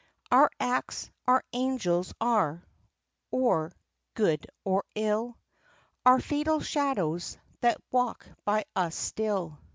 Our acts our angels are, or good or ill, Our fatal shadows, that walk by us still."